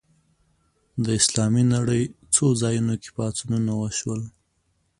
د اسلامي نړۍ څو ځایونو کې پاڅونونه وشول